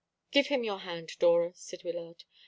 "Give him your hand, Dora," said Wyllard.